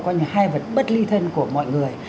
coi như hai vật bất ly thân của mọi người